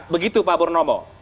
begitu pak purnomo